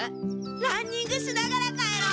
ランニングしながら帰ろう！